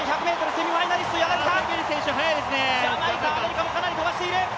セミファイナリスト柳田。